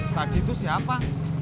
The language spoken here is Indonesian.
tadi itu siapa